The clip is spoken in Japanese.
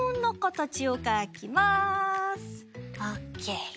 オッケー！